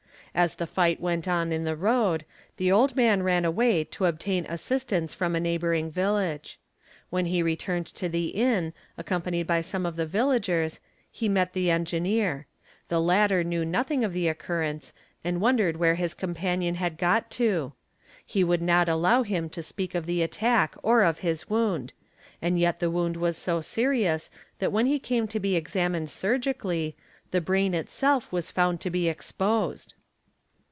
As the fight went on in the road, he old man ran away to obtain assistance from a neighbouring village. " hen he returned to the inn, accompanied by some of the villagers, he iet the engineer; the latter knew nothing of the occurrence and won e3 ae where his companion had got to. He would not allow him to eak of the attack or of his wound; and yet the wound was so serious th at when he came to be examined surgically, the brain itself was found ti Bic exposed.